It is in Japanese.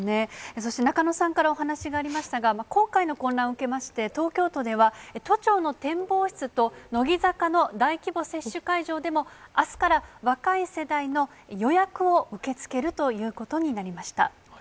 そして中野さんからお話がありましたが、今回の混乱を受けまして、東京都では、都庁の展望室と乃木坂の大規模接種会場でも、あすから若い世代の予約を受け付けるということになりました。